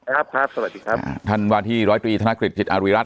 ครับครับสวัสดีครับอ่าท่านวาธิร้อยตรีธนกฤทธิ์ผิดอาริรัติ